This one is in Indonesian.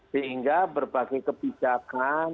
sehingga berbagai masyarakat